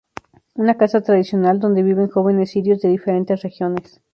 Una casa tradicional donde viven jóvenes sirios de diferentes regiones.